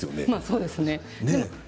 そうですね。